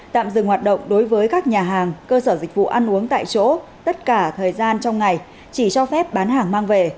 tạm dừng hoạt động đối với các nhà hàng cơ sở dịch vụ ăn uống tại chỗ tất cả thời gian trong ngày chỉ cho phép bán hàng mang về